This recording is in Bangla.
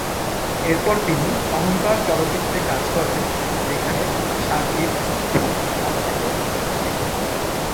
এরপর তিনি অহংকার চলচ্চিত্রে কাজ করেন, যেখানে শাকিব খুব আলোচিত ছিলেন।